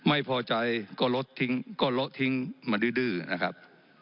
ไม่พอใจก็ลดทิ้งมาดื้อนะครับ